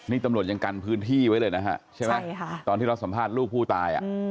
นี่ตำรวจยังกันพื้นที่ไว้เลยนะฮะใช่ไหมตอนที่เราสัมภาษณ์ลูกผู้ตาย